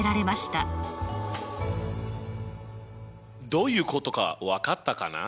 どういうことか分かったかな？